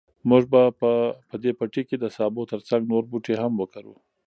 موږ به په دې پټي کې د سابو تر څنګ نور بوټي هم وکرو.